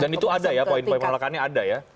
dan itu ada ya poin poin penolakannya ada ya